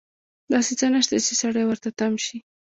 داسې څه نشته چې سړی ورته تم شي.